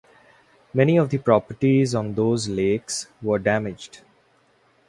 Many of the properties on those lakes were damaged.